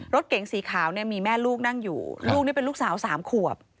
รถเก๋งสีขาวเนี่ยมีแม่ลูกนั่งอยู่ลูกนี่เป็นลูกสาว๓ขวบ